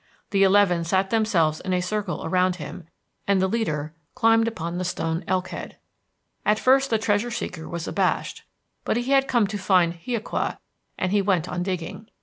The eleven sat themselves in a circle around him; the leader climbed upon the stone elk head. At first the treasure seeker was abashed, but he had come to find hiaqua and he went on digging.